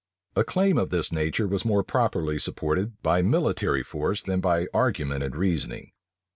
A claim of this nature was more properly supported by military force than by argument and reasoning.